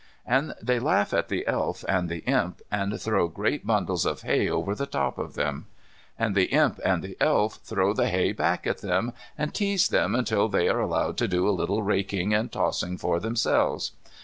And they laugh at the Elf and the Imp, and throw great bundles of hay over the top of them. And the Imp and the Elf throw the hay back at them, and tease them until they are allowed to do a little raking and tossing for themselves.